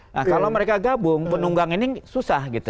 nah kalau mereka gabung penunggang ini susah gitu